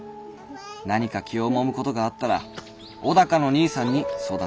何か気をもむことがあったら尾高の兄さんに相談してください」。